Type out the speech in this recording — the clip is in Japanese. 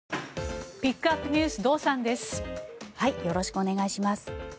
よろしくお願いします。